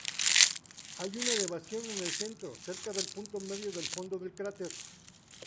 Hay una elevación en el centro, cerca del punto medio del fondo del cráter.